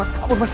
mas mas abun mas